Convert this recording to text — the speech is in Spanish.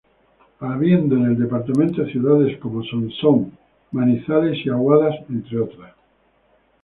Habiendo en el departamento ciudades como Sonsón, Manizales y Aguadas entre otras.